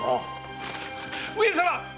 上様！